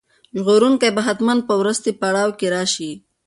ژغورونکی به حتماً په وروستي پړاو کې راشي.